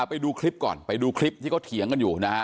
ไปดูคลิปก่อนไปดูคลิปที่เขาเถียงกันอยู่นะฮะ